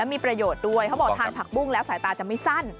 มีประโยชน์ด้วยเขาบอกทานผักบุ้งแล้วสายตาจะไม่สั้น